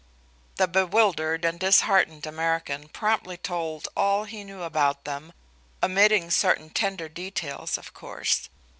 The bewildered and disheartened American promptly told all he knew about them, omitting certain tender details, of course.